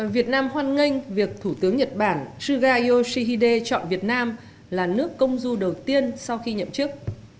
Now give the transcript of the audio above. việt nam hoan nghênh việc thủ tướng nhật bản suga yoshihide chọn việt nam là nước công du đầu tiên sau khi nhậm chức